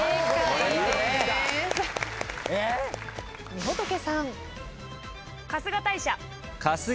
みほとけさん。